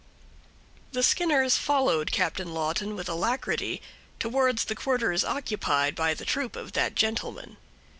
_ The Skinners followed Captain Lawton with alacrity, towards the quarters occupied by the troop of that gentleman.